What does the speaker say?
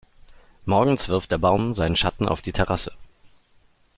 Morgens wirft der Baum seinen Schatten auf die Terrasse.